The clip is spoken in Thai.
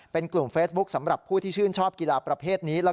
เป็นกลุ่มเฟซบุ๊คสำหรับผู้ที่ชื่นชอบกีฬาประเภทนี้